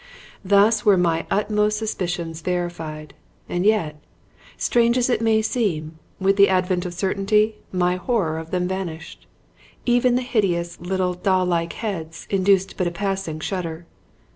Thus were my utmost suspicions verified, and yet, strange as it may seem, with the advent of certainty, my horror of them vanished. Even the hideous little doll like heads induced but a passing shudder.